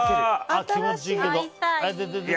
ああ、気持ちいいけど。